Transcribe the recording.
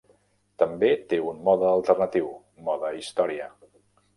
També té un mode alternatiu, "mode història".